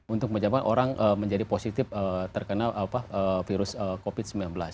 untuk menjawab orang menjadi positif terkena virus covid sembilan belas